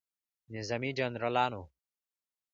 نظامي جنرالانو